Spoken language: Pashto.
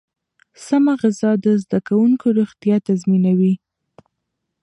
سمه غذا د زده کوونکو روغتیا تضمینوي.